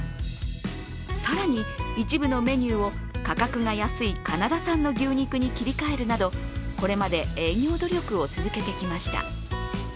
更に、一部のメニューを価格が安いカナダ産の牛肉に切り替えるなどこれまで営業努力を続けてきました。